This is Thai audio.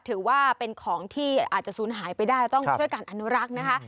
ถือว่าเป็นของที่อาจจะสูญหายไปได้ต้องช่วยการอนุรักษ์นะคะ